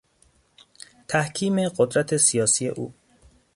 تحکیم قدرت سیاسی او